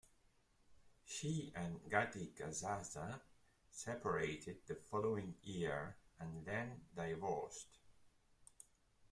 She and Gatti-Casazza separated the following year and then divorced.